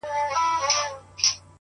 • چا به ویل چي یوه ورځ به داسي هم ووینو,